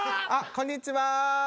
こんにちは。